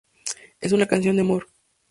Es una canción de amor.